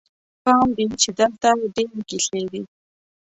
پام دې وي چې دلته ډېرې کیسې دي.